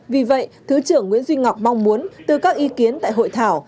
vì vậy thứ trưởng nguyễn duy ngọc mong muốn từ các ý kiến tại hội thảo